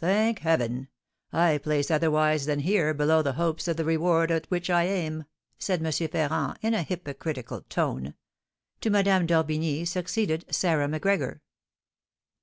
"Thank Heaven, I place otherwise than here below the hopes of the reward at which I aim!" said M. Ferrand, in a hypocritical tone. To Madame d'Orbigny succeeded Sarah Macgregor.